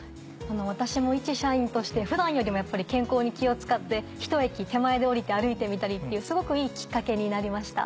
私もいち社員として普段よりもやっぱり健康に気を使ってひと駅手前で降りて歩いてみたりっていうすごくいいきっかけになりました。